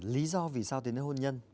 lý do vì sao đến với hôn nhân